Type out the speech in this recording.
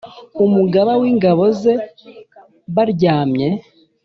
umugaba w ingabo ze baryamye